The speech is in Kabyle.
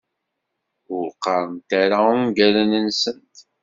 Ur qqarent ara ungalen-nsent.